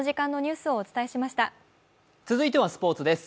続いてはスポーツです。